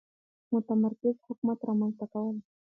متمرکز حکومت رامنځته کول.